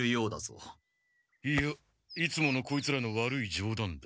いやいつものこいつらの悪いじょうだんだ。